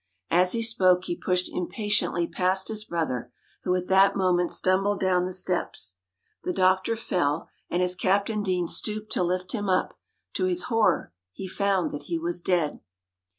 As he spoke he pushed impatiently past his brother, who at that moment stumbled down the steps. The doctor fell; and as Captain Deane stooped to lift him up, to his horror, he found that he was dead!